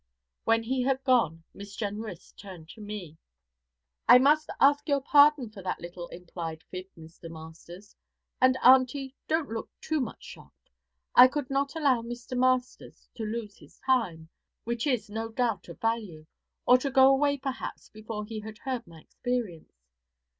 When he had gone Miss Jenrys turned to me. 'I must ask your pardon for that little implied fib, Mr. Masters; and, auntie, don't look too much shocked. I could not allow Mr. Masters to lose his time, which is no doubt of value, or to go away perhaps before he had heard my experience.'